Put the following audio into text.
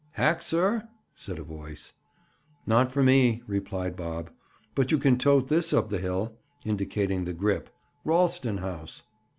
"Hack, sir?" said a voice. "Not for me," replied Bob. "But you can tote this up the hill," indicating the grip. "Ralston house."